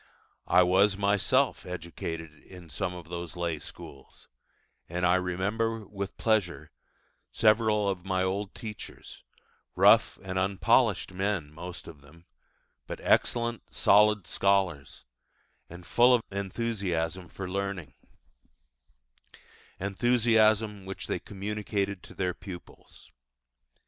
I was myself educated in some of those lay schools; and I remember with pleasure several of my old teachers: rough and unpolished men most of them, but excellent, solid scholars, and full of enthusiasm for learning enthusiasm which they communicated to their pupils.